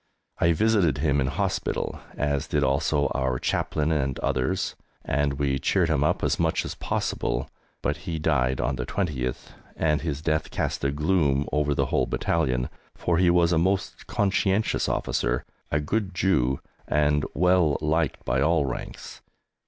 I visited him in hospital, as did also our Chaplain and others, and we cheered him up as much as possible, but he died on the 20th, and his death cast a gloom over the whole battalion, for he was a most conscientious officer, a good Jew, and well liked by all ranks.